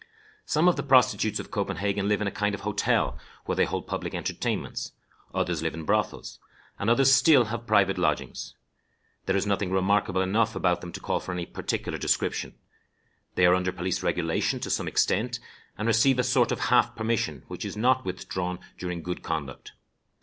Some of the prostitutes of Copenhagen live in a kind of hotel, where they hold public entertainments; others live in brothels; and others still have private lodgings. There is nothing remarkable enough about them to call for any particular description. They are under police regulation to some extent, and receive a sort of half permission, which is not withdrawn during good conduct.